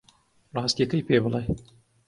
ڕاستییەکەی پێ بڵێ.